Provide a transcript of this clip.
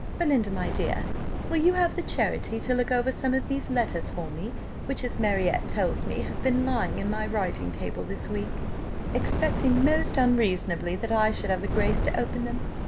Belinda, my dear, will you have the charity to look over some of these letters for me, which, as Marriott tells me, have been lying in my writing table this week expecting, most unreasonably, that I should have the grace to open them?